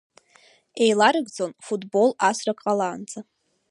Еиларгӡон, футбол асрак ҟалаанӡа.